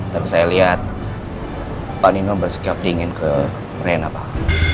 tapi saya lihat pak nino bersikap dingin ke arena pak